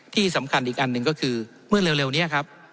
ที่สำคัญอีกอันหนึ่งก็คือเมื่อเร็วนี้ครับ